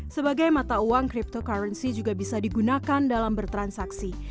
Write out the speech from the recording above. sebagai mata uang cryptocurrency juga bisa digunakan dalam bertransaksi